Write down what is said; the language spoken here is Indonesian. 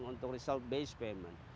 untuk result based payment